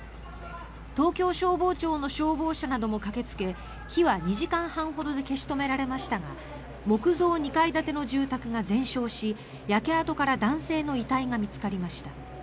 東京消防庁の消防車なども駆けつけ火は２時間半ほどで消し止められましたが木造２階建ての住宅が全焼し焼け跡から男性の遺体が見つかりました。